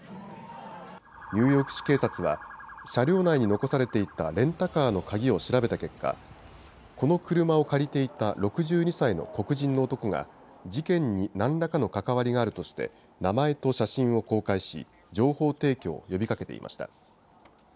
ニューヨーク市警察は車両内に残されていたレンタカーの鍵を調べた結果、この車を借りていた６２歳の黒人の男が事件に何らかの関わりがあるとして名前と写真を公開し、情報提供を呼びかけていました。